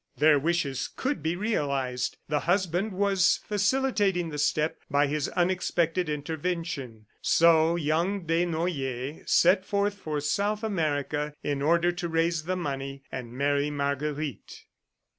Their wishes could be realized. The husband was facilitating the step by his unexpected intervention. So young Desnoyers set forth for South America in order to raise the money and marry Marguerite.